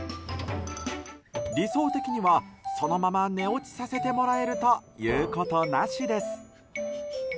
理想的にはそのまま寝落ちさせてもらえると言うことなしです。